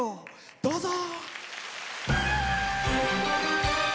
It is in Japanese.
どうぞ。